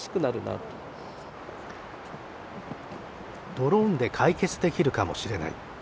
ドローンで解決できるかもしれない。